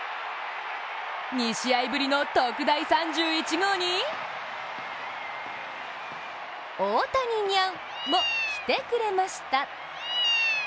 ２試合ぶりの特大３１号に大谷ニャンも来てくれました。